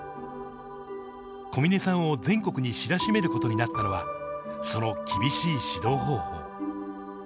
小嶺さんを全国に知らしめることになったのは、その厳しい指導方法。